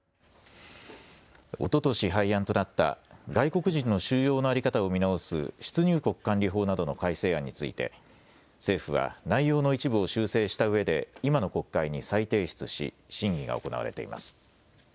おととし廃案となった外国人の収容の在り方を見直す出入国管理法などの改正案について、政府は内容の一部を修正したうえで今の国会に再提出し審議が行われています。